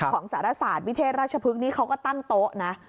ของสารศาสตร์วิเทศราชพฤกษนี้เขาก็ตั้งโต๊ะนะ